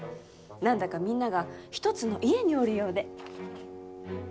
何だか、みんなが一つの家におるようで。